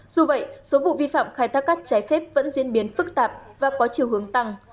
dù vậy số vụ vi phạm khai thác cát trái phép vẫn diễn biến phức tạp và có chiều hướng tăng